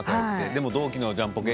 でも同期のジャンポケ